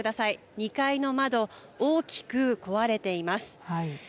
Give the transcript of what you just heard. ２階の窓大きく壊れています。